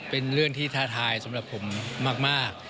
เป็นเรื่องที่ท้าทายสำหรับผมมาก